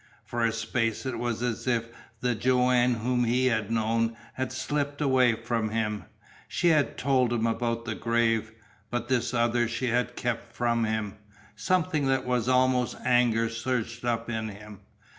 For a space it was as if the Joanne whom he had known had slipped away from him. She had told him about the grave, but this other she had kept from him. Something that was almost anger surged up in him.